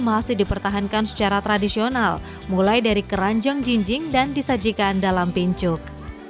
masih dipertahankan secara tradisional mulai dari keranjang jinjing dan disajikan dalam pincuk